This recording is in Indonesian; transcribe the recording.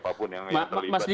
terima kasih pak mas dili